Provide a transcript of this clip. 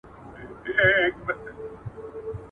پتاسه په ژمي کي نه ورکېږي.